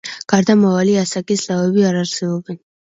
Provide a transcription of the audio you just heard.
გარდამავალი ასაკის ლავები არ არსებობენ.